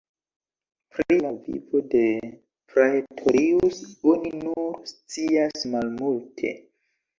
Pri la vivo de Praetorius oni nur scias malmulte.